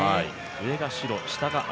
上が白、下が青。